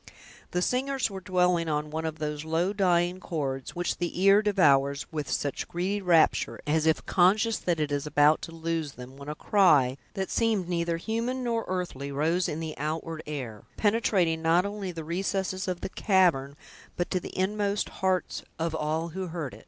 The singers were dwelling on one of those low, dying chords, which the ear devours with such greedy rapture, as if conscious that it is about to lose them, when a cry, that seemed neither human nor earthly, rose in the outward air, penetrating not only the recesses of the cavern, but to the inmost hearts of all who heard it.